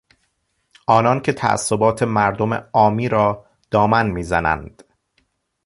آنان که تعصبات مردم عامی را دامن میزنند